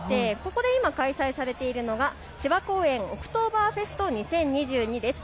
ここで今、開催されているのが芝公園オクトーバーフェスト２０２２です。